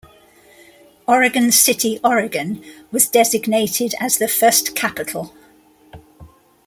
Oregon City, Oregon, was designated as the first capital.